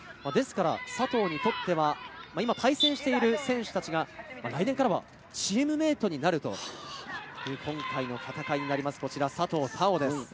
佐藤にとっては今対戦している選手たちが来年からはチームメートになるという今回の戦いになります。